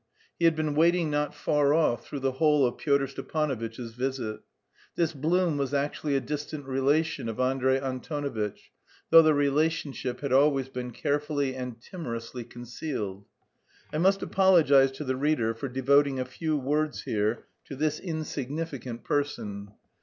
He had been waiting not far off through the whole of Pyotr Stepanovitch's visit. This Blum was actually a distant relation of Andrey Antonovitch, though the relationship had always been carefully and timorously concealed. I must apologise to the reader for devoting a few words here to this insignificant person.